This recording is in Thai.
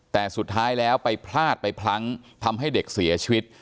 แต่สุดท้ายแล้วไปพลาดไปพลั้งทำให้เด็กเสียชีวิต